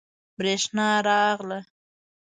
بریښنا راغله